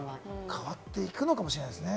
変わっていくのかもしれないですね。